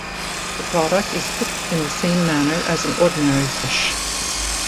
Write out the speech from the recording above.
The product is cooked in the same manner as an ordinary fish.